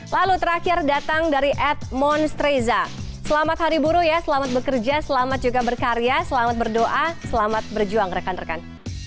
lalu terakhir datang dari ed mon streza selamat hari buruh ya selamat bekerja selamat juga berkarya selamat berdoa selamat berjuang rekan rekan